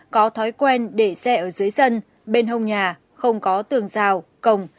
có thói quen để xe ở dưới sân bên hông nhà không có tường rào cổng